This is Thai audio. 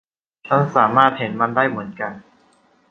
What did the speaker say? ฉันสามารถเห็นมันได้เหมือนกัน